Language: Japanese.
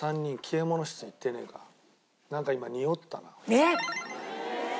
えっ！？